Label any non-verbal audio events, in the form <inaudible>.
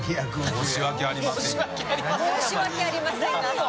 「申し訳ありません」 <laughs>